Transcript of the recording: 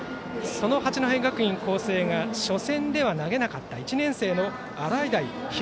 その八戸学院光星が初戦では投げなかった１年生の洗平